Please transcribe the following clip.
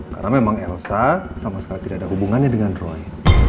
karena memang elsa sama sekali tidak ada hubungannya dengan roy